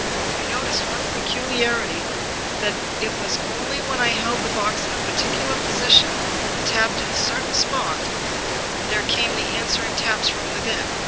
I noticed one peculiarity, that it was only when I held the box in a particular position, and tapped at a certain spot", there came the answering taps from within.